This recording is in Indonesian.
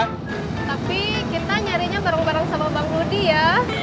tapi kita nyarinya bareng bareng sama bang budi ya